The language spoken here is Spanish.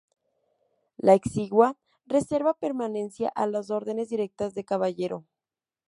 La exigua reserva permanecía a las órdenes directas de Caballero.